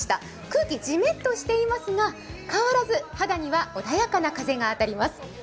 空気じめっとしていますが、変わらず肌には穏やかな風が当たります。